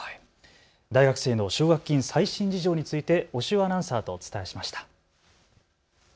大学生の奨学金最新事情について押尾アナウンサーとお伝えしました。